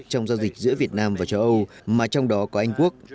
trong giao dịch giữa việt nam và châu âu mà trong đó có anh quốc